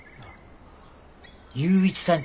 雄一さん